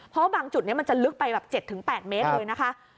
เพราะบางจุดนี้มันจะลึกไปแบบ๗๘เมตรเลยนะคะ